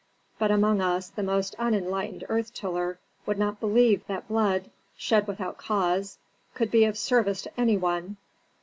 But among us the most unenlightened earth tiller would not believe that blood, shed without cause, could be of service to any one."